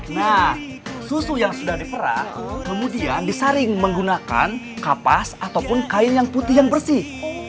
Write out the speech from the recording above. nah susu yang sudah diperah kemudian disaring menggunakan kapas ataupun kain yang putih yang bersih